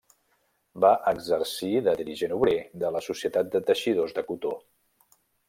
Va exercir de dirigent obrer de la Societat de Teixidors de Cotó.